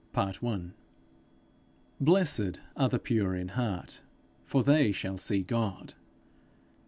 _ 'Blessed are the pure in heart, for they shall see God.'